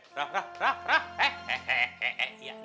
rah rah rah rah